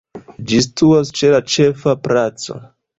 Ĝi situas ĉe la Ĉefa Placo.